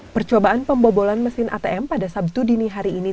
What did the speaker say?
percobaan pembobolan mesin atm pada sabtu dini hari ini